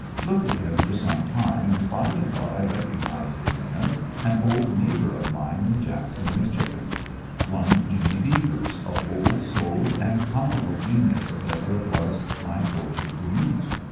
Looked at him for some time and finally thought I recog nized in him an old neighbor of mine in Jackson Michigan; one Jimmy Devers, a whole souled and comical genius as ever it was my fortune to meet.